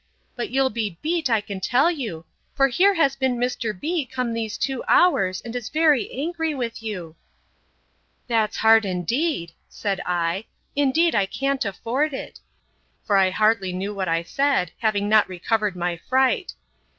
but you'll be beat, I can tell you! for here has been Mr. B—— come these two hours, and is very angry with you. That's hard indeed, said I;—Indeed I can't afford it;—for I hardly knew what I said, having not recovered my fright.